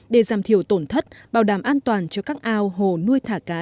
để giảm thiểu tổn thất bảo đảm an toàn cho các ao hồ nuôi thả cá